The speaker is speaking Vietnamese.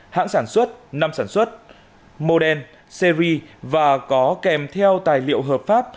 hãng sản xuất năm sản xuất mô đen series và có kèm theo tài liệu hợp pháp